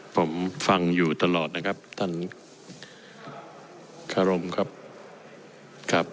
ผมฟังอยู่ตลอดนะครับ